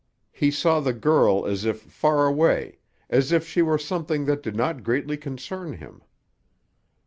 He saw the girl as if far away, as if she were something that did not greatly concern him.